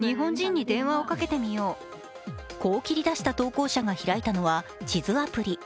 こう切り出した投稿者が開いたのは地図アプリ。